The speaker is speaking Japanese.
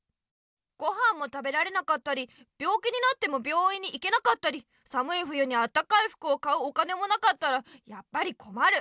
ごはんも食べられなかったりびょうきになってもびょういんに行けなかったりさむい冬にあったかいふくを買うお金もなかったらやっぱりこまる。